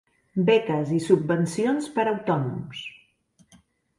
Beques i subvencions per a autònoms.